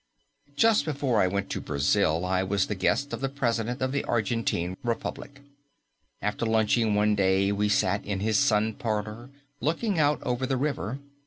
Just before I went to Brazil I was the guest of the President of the Argentine Republic. After lunching one day we sat in his sun parlour looking out over the river.